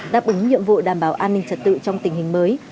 đáp ứng nhiệm vụ đảm bảo an ninh trật tự trong tình hình mới